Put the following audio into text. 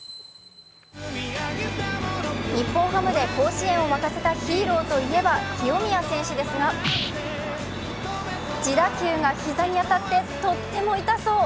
日本ハムで甲子園を沸かせたヒーローといえば清宮選手ですが、自打球が膝に当たってとっても痛そう。